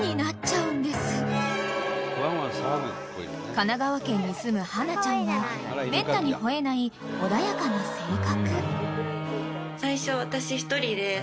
［神奈川県にすむハナちゃんはめったに吠えない穏やかな性格］